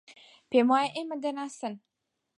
پێم وایە ئێمە دەناسن.